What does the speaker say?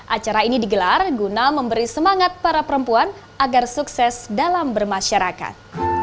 acara ini digelar guna memberi semangat para perempuan agar sukses dalam bermasyarakat